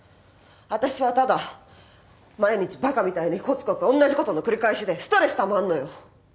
私はただ毎日バカみたいにコツコツおんなじことの繰り返しでストレスたまんのよ。